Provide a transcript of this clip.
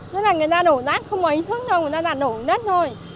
chứ là người ta đổ rác không có ý thức đâu người ta đặt đổ đến đất thôi